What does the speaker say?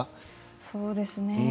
そうですね。